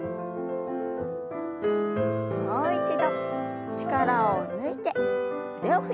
もう一度力を抜いて腕を振りましょう。